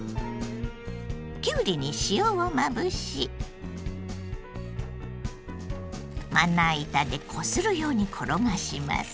きゅうりに塩をまぶしまな板でこするように転がします。